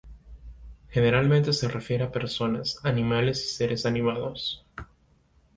Generalmente se refiere a personas, animales y seres animados.